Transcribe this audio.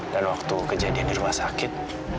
dan waktu kejadian di rumah sakit